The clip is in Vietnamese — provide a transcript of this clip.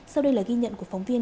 sau đây là ghi nhận của phóng viên